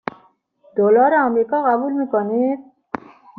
دلار آمریکا قبول می کنید؟